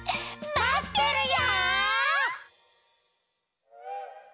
まってるよ！